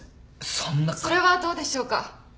それはどうでしょうか？